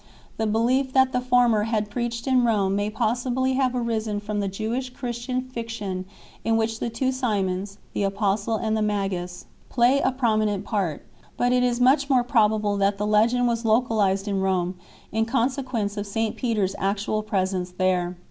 The belief that the former had preached in Rome may possibly have arisen from the Jewish Christian fiction in which the two Simons, the apostle and the magus, play a prominent part ; but it is much more probable that the legend was localized in Rome in consequence of St Peter s actual presence there.